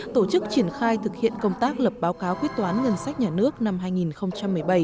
tổ chức triển khai thực hiện công tác lập báo cáo quyết toán ngân sách nhà nước năm hai nghìn một mươi bảy